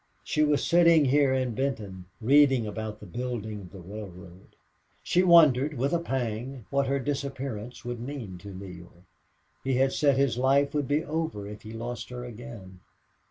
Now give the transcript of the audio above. She was sitting here in Benton, reading about the building of the railroad. She wondered with a pang what her disappearance would mean to Neale. He had said his life would be over if he lost her again.